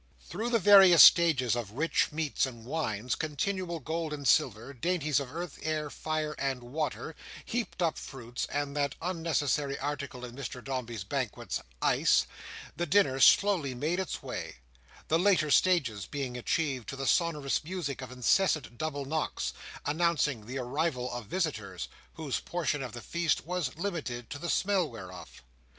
Through the various stages of rich meats and wines, continual gold and silver, dainties of earth, air, fire, and water, heaped up fruits, and that unnecessary article in Mr Dombey's banquets—ice—the dinner slowly made its way: the later stages being achieved to the sonorous music of incessant double knocks, announcing the arrival of visitors, whose portion of the feast was limited to the smell thereof.